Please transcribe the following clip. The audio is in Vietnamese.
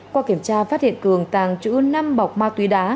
qua kiểm tra phát hiện cường tàng trữ năm bọc ma túy đá